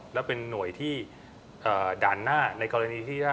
แล้วเป็นหน่วยที่ด่านหน้าในกรณีที่ถ้า